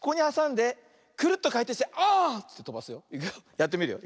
やってみるよ。